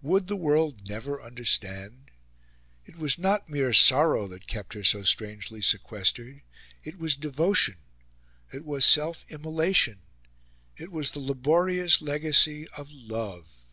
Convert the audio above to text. Would the world never understand? It was not mere sorrow that kept her so strangely sequestered; it was devotion, it was self immolation; it was the laborious legacy of love.